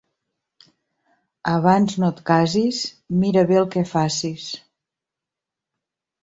Abans no et casis mira bé el que facis.